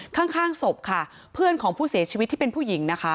ข้างศพค่ะเพื่อนของผู้เสียชีวิตที่เป็นผู้หญิงนะคะ